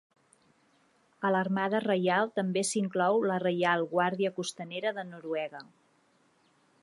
A l'Armada Reial també s'inclou la Reial Guàrdia Costanera de Noruega.